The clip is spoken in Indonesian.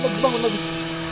bagus bangun bagus